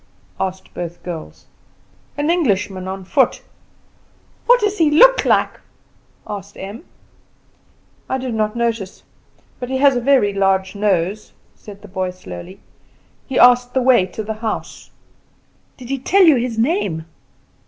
asked both girls. "An Englishman on foot." "What does he look like?" asked Em. "I did not notice; but he has a very large nose," said the boy slowly. "He asked the way to the house." "Didn't he tell you his name?"